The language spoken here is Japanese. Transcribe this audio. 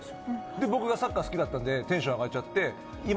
で僕がサッカー好きだったんでテンション上がっちゃって。